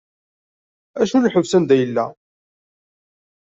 Acu n lḥebs anida yella?